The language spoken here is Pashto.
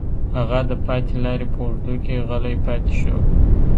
هغه د پاتې لارې په اوږدو کې غلی پاتې شو